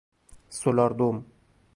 سولاردم